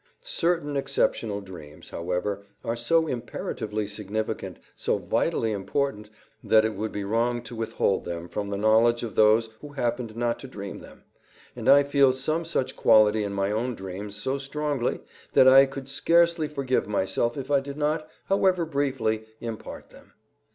I Certain exceptional dreams, however, are so imperatively significant, so vitally important, that it would be wrong to withhold them from the knowledge of those who happened not to dream them, and I feel some such quality in my own dreams so strongly that I could scarcely forgive myself if I did not, however briefly, impart them.